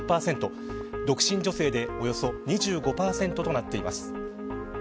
独身女性でおよそ２５％となっています。